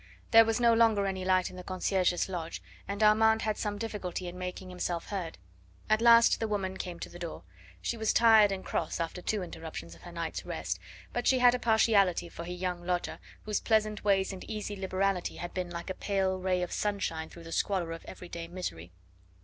There was no longer any light in the concierge's lodge, and Armand had some difficulty in making himself heard. At last the woman came to the door. She was tired and cross after two interruptions of her night's rest, but she had a partiality for her young lodger, whose pleasant ways and easy liberality had been like a pale ray of sunshine through the squalor of every day misery.